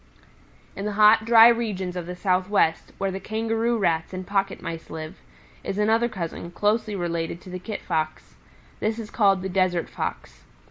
"In the hot, dry regions of the Southwest, where the Kangaroo Rats and Pocket Mice live, is another cousin, closely related to the Kit Fox. This is called the Desert Fox.